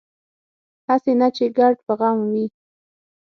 هسې نه چې ګډ په غم وي